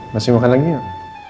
masih makan lagi gak